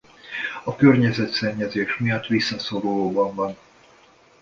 A környezetszennyezés miatt visszaszorulóban van.